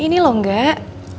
ini loh enggak